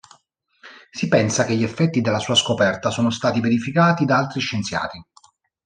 Si pensa che gli effetti della sua scoperta sono stati verificati da altri scienziati.